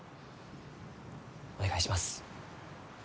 お願いします。